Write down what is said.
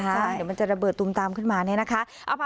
เดี๋ยวมันจะระเบิดตุมตามขึ้นมาเนี่ยนะคะ